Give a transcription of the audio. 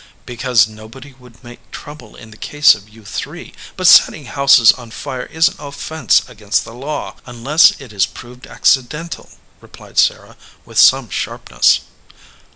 "Because nobody would make trouble in the case of you three, but setting houses on fire is an offense against the law, unless it is proved accidental," replied Sarah, with some sharpness.